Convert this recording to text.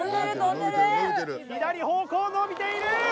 左方向伸びている！